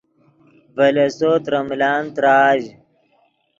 ڤے لیسو ترے ملان تراژ